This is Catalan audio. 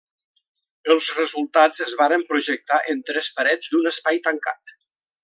Els resultats es varen projectar en tres parets d'un espai tancat.